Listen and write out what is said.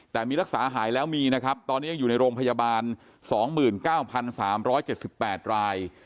แต่มีรักษาหายแล้วมีนะครับตอนนี้ยังอยู่ในโรงพยาบาล๒๙๓๗๘ราย